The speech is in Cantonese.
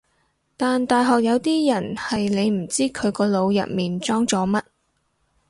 但大學有啲人係你唔知佢個腦入面裝咗乜